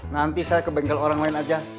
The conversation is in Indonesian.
nanti saya ke bengkel orang lain aja